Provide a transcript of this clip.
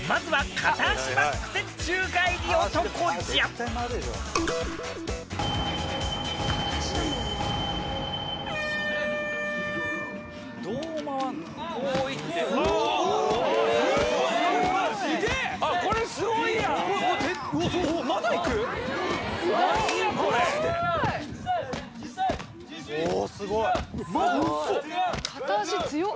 片足強っ！